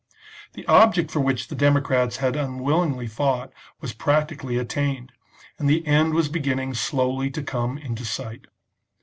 The object for which the democrats had unwillingly fought was practically attained, and the end was beginning slowly to come into sight.